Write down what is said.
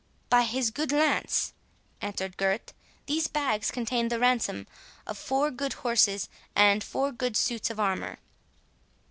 "By his good lance," answered Gurth.—"These bags contain the ransom of four good horses, and four good suits of armour."